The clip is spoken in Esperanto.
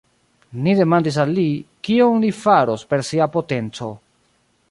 Ni demandis al li, kion li faros per sia potenco.